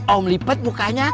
om lipat mukanya